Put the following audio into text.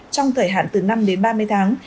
trong thời hạn từ năm đến ba mươi tháng